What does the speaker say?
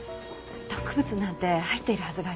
毒物なんて入っているはずがありません。